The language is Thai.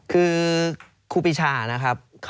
คือครูปีชานะครับ